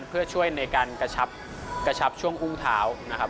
เพื่อช่วยในการกระชับช่วงอุ้งเท้านะครับ